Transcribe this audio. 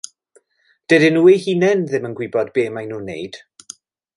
Dydyn nhw eu hunain ddim yn gwybod be maen nhw'n neud.